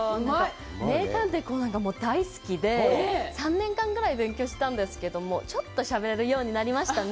「名探偵コナン」が大好きで、３年間ぐらい勉強したんですけども、ちょっとしゃべれるようになりましたね。